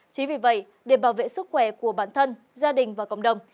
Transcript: chính vì vậy để bảo vệ sức khỏe của bản thân gia đình và cộng đồng